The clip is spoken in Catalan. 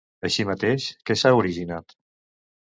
Així mateix, què s'ha originat?